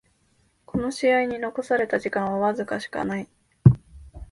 この試合に残された時間はわずかしかない